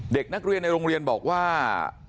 เด็กนักเรียนในโรงเรียนบอกว่า